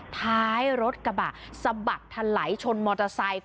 ท้ายรถกระบะสะบัดทะไหลชนมอเตอร์ไซค์